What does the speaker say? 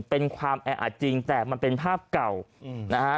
เป็นความแออัดจริงแต่มันเป็นภาพเก่านะฮะ